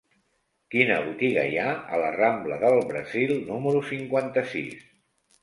Quina botiga hi ha a la rambla del Brasil número cinquanta-sis?